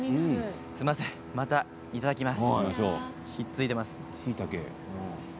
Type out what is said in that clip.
すいません、またいただきます。